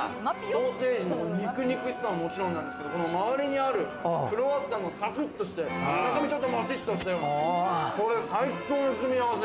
ソーセージの肉肉しさ、もちろんなんですけど、この周りにあるクロワッサンもサクッとして、ちょっともちっとして、これ最高の組み合わせ！